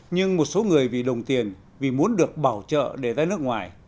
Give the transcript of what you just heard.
nhưng một số người vì đồng tiền vì muốn được bảo trợ để ra nước ngoài